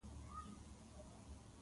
کیسې زموږ ذهنونه یوه لور ته اړوي.